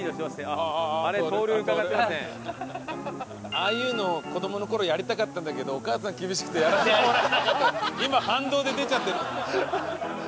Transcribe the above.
ああいうのを子供の頃やりたかったんだけどお母さんが厳しくてやらせてもらえなかった。